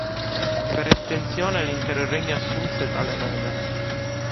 Per estensione l'intero regno assunse tale nome.